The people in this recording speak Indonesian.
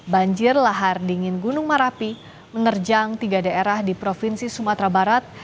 banjir lahar dingin gunung merapi menerjang tiga daerah di provinsi sumatera barat